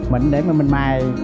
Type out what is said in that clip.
mịn để mà mình mài